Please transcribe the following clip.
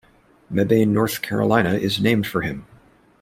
Mebane, North Carolina is named for him.